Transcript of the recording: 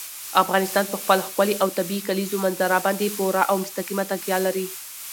افغانستان په خپله ښکلې او طبیعي کلیزو منظره باندې پوره او مستقیمه تکیه لري.